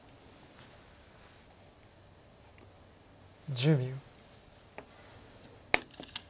１０秒。